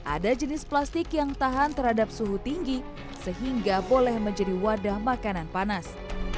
ada jenis plastik yang tahan terhadap suhu tinggi sehingga boleh menjadi wadah makanan panas